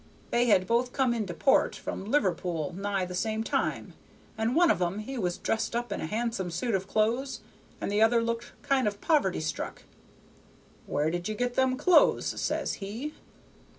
They had both come into port from Liverpool nigh the same time, and one of 'em, he was dressed up in a handsome suit of clothes, and the other looked kind of poverty struck. 'Where did you get them clothes?' says he.